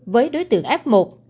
với đối tượng f một